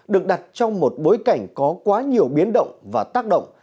được đặt trong một bối cảnh có quá nhiều biến động và tác động